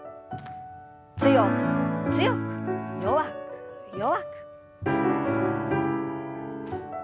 強く強く弱く弱く。